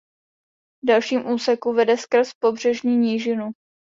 V dalším úseku vede skrz pobřežní nížinu.